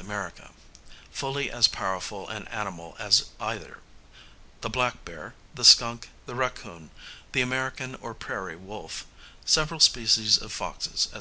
America, fully as powerful an animal as either; the black bear, the skunk, the racoon, the American or prairie wolf, several species of foxes, &c.